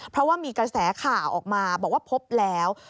เพราะว่ามีกระแสข่าวออกมาบอกว่าพบแล้ว